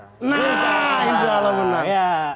nah insya allah menang